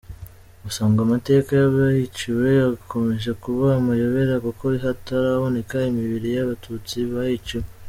Gusa ngo amateka y’abahiciwe akomeje kuba amayobera kuko hataraboneka imibiri y’abatutsi bahiciwe.